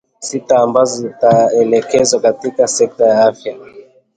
sita ambazo zitaekezwa katika sekta ya afya